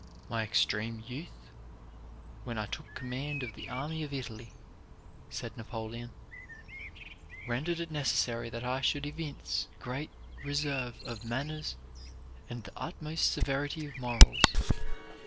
"My extreme youth, when I took command of the army of Italy," said Napoleon, "rendered it necessary that I should evince great reserve of manners and the utmost severity of morals.